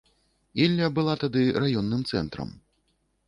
Ілля была тады раённым цэнтрам.